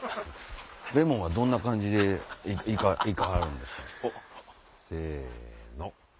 レモンはどんな感じで行かはるんでしょ？せの！